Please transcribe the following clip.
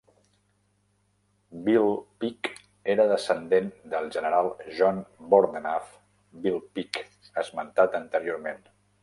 Villepigue era descendent del General John Bordenave Villepigue esmentat anteriorment.